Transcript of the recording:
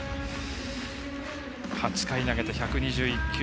８回投げて１２１球。